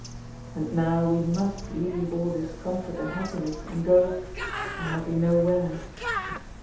And now we must leave all this comfort and happiness, and go I hardly know where.